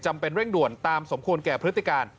เป็นเร่งด่วนตามสมควรแก่พฤติการ